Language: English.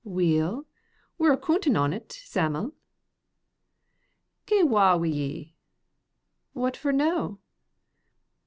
"Weel, we're a' coontin' on't, Sam'l." "Gae wa wi' ye." "What for no?"